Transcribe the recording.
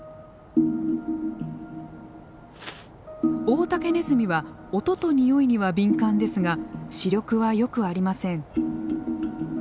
オオタケネズミは音と臭いには敏感ですが視力はよくありません。